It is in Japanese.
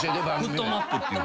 『フットマップ』っていう。